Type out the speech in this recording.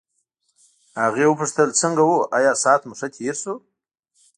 هغې وپوښتل څنګه وو آیا ساعت مو ښه تېر شو.